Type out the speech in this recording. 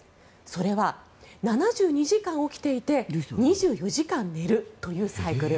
それは７２時間起きていて２４時間寝るというサイクル。